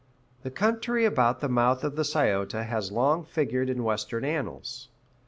The country about the mouth of the Scioto has long figured in Western annals.